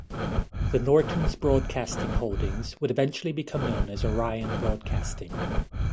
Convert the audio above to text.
The Nortons' broadcasting holdings would eventually become known as Orion Broadcasting.